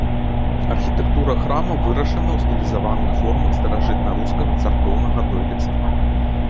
Архітэктура храма вырашана ў стылізаваных формах старажытнарускага царкоўнага дойлідства.